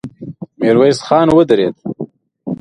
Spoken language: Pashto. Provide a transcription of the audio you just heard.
ميرويس خان ودرېد.